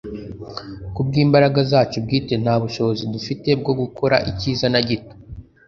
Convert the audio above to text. Kubw'imbaraga zacu bwite nta bushobozi dufite bwo gukora icyiza na gito,